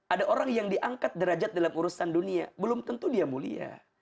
ada orang yang diangkat derajat dalam urusan dunia belum tentu dia mulia